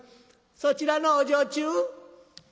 そちらのお女中？」。